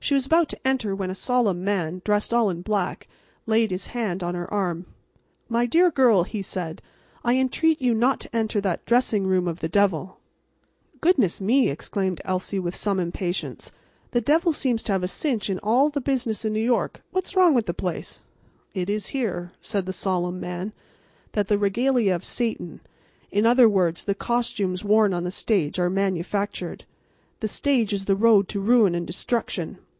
She was about to enter, when a solemn man, dressed all in black, laid his hand on her arm. "My dear girl," he said, "I entreat you not to enter that dressing room of the devil." "Goodness me!" exclaimed Elsie, with some impatience. "The devil seems to have a cinch on all the business in New York. What's wrong about the place?" "It is here," said the solemn man, "that the regalia of Satan—in other words, the costumes worn on the stage—are manufactured. The stage is the road to ruin and destruction.